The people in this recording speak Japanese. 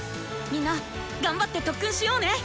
みんな頑張って特訓しようね！